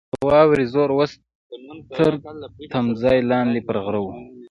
د واورې زور اوس تر تمځای لاندې پر غره وو.